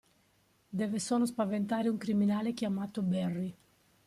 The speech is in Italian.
Deve solo spaventare un criminale chiamato Barry.